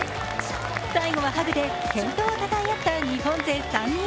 最後はハグで健闘をたたえ合った日本勢３人。